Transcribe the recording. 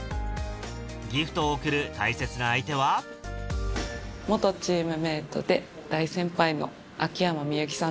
ギフトを贈る大切な相手は元チームメートで大先輩の。